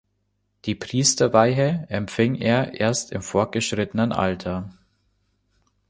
Die Priesterweihe empfing er erst im fortgeschrittenen Alter.